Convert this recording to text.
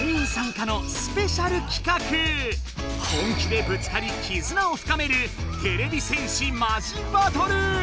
本気でぶつかりきずなを深めるてれび戦士マジバトル！